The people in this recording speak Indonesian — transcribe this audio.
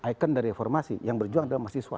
ikon dari reformasi yang berjuang adalah mahasiswa